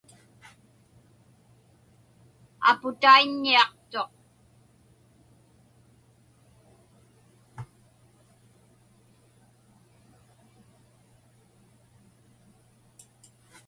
Aputaiññiaqtuq.